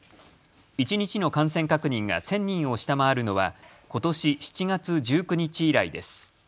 一日の感染確認が１０００人を下回るのは、ことし７月１９日以来です。